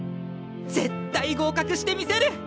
絶対合格してみせる！